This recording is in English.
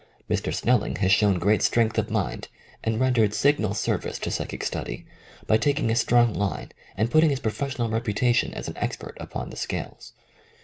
Mr. Snelling has shown great strength of mind, and rendered signal service to psychic study, by taking a strong line, and putting his pro fessional reputation as an expert upon the scales.